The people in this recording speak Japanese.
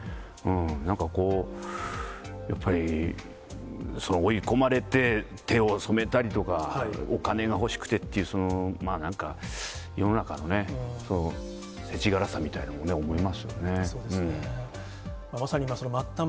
なんかこう、やっぱりその追い込まれて手を染めたりとか、お金が欲しくてっていう、そのなんか、世の中のね、せちがらさみたいなものを思いますよね。